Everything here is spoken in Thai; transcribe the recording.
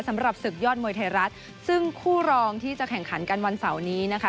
สำหรับศึกยอดมวยไทยรัฐซึ่งคู่รองที่จะแข่งขันกันวันเสาร์นี้นะคะ